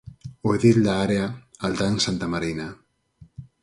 O edil da área, Aldán Santamarina.